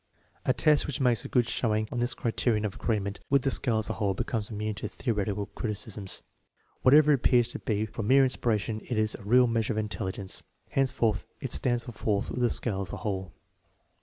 A test which makes a good showing on this criterion of agreement with the scale as a whole becomes immune to theoretical criticisms. Whatever it appears to be from mere inspection, it is a real measure of intelligence. Hence forth it stands or falls with the scale as a whole.